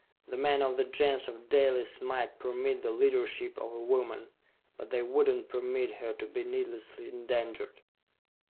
The men of the Gens of Dalis might permit the leadership of a woman, but they would not permit her to be needlessly endangered.